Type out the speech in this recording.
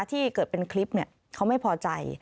ที่เกิดเป็นคลิปเขาไม่พอใจ